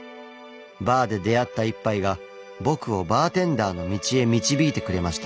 バーで出会った一杯が僕をバーテンダーの道へ導いてくれました。